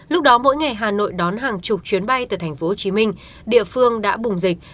lúc đó mỗi ngày hà nội đón hàng chục chuyến bay từ tp hcm địa phương đã bùng dịch